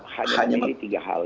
hanya menjadi tiga hal